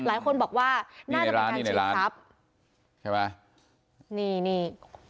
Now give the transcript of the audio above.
หลายคนบอกว่านี่ในร้านนี่ในร้านครับใช่ป่ะนี่นี่